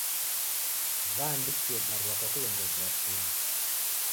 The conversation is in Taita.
W'aandikie barua kwa kilongozi wa timu.